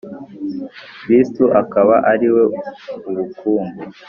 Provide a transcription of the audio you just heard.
kristu akaba ariwe ubukungu